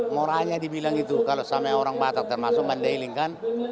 ngoraknya dibilang itu kalau sama orang batak termasuk bandai iling kan